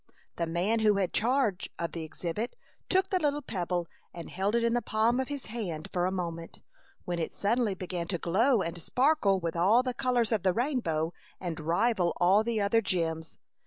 The man who had charge of the exhibit took the little pebble and held it in the palm of his hand for a moment, when it suddenly began to glow and sparkle with all the colors of the rainbow and rival all the other gems.